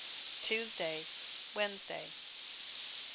Tuesday, Wednesday.